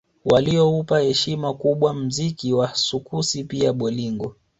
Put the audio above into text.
Walioupa heshima kubwa mziki wa sukusi pia bolingo